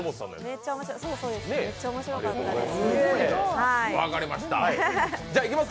めっちゃ面白かったです。